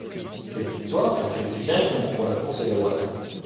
Cette victoire la qualifie directement pour la course d'Hawaï.